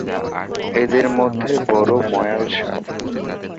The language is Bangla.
এদের মধ্যে বড় ময়াল সাপ।